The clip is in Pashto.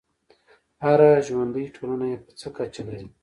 هره ژوندی ټولنه یې په څه کچه لري.